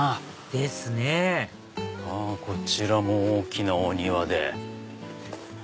ですねこちらも大きなお庭で。